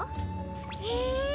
へえ！